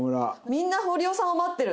みんな堀尾さんを待ってる。